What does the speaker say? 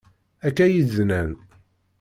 Akka iy-d-nnan.